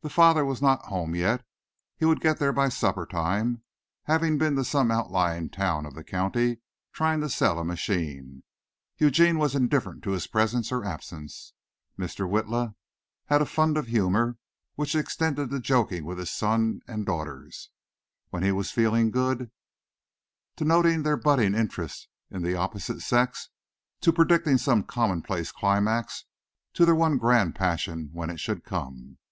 The father was not home yet; he would get there by supper time, having been to some outlying town of the county trying to sell a machine. Eugene was indifferent to his presence or absence. Mr. Witla had a fund of humor which extended to joking with his son and daughters, when he was feeling good, to noting their budding interest in the opposite sex; to predicting some commonplace climax to their one grand passion when it should come.